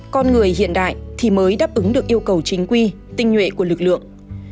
con người hiện đại thì mới đáp ứng được yêu cầu chính quy tinh nhuệ của lực lượng